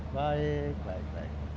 baik baik baik